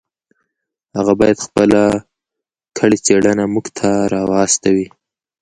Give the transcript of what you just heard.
هغه باید خپله کړې څېړنه موږ ته راواستوي.